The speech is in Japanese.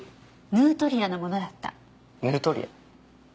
ヌートリア？